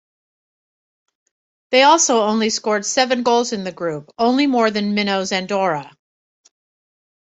They also only scored seven goals in the group, only more than minnows Andorra.